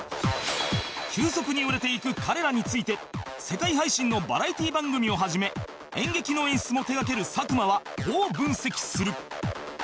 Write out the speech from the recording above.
急速に売れていく彼らについて世界配信のバラエティ番組をはじめ演劇の演出も手がける佐久間はこう分析する